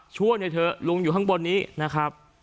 ช่วยหน่อยเถอะลุงอยู่ข้างบนนี้นะครับ